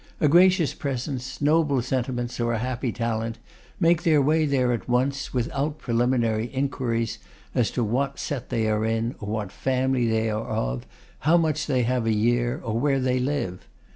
A gracious presence, noble sentiments, or a happy talent, make their way there at once, without preliminary inquiries as to what set they are in, or what family they are of, how much they have a year, or where they live.